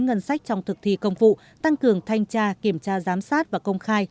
ngân sách trong thực thi công vụ tăng cường thanh tra kiểm tra giám sát và công khai